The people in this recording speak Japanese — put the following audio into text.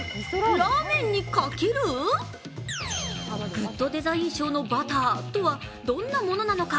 グッドデザイン賞のバターとはどんなものなのか？